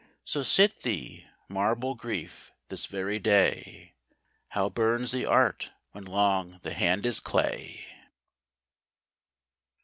So sit thee, marble Grief ! this very day How burns the art when long the hand is clay